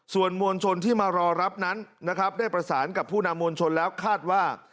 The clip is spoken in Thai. ส่วนมวลชนที่มารอรับนั้นนะครับได้ประสานกับผู้นำมวลชนแล้วคาดว่า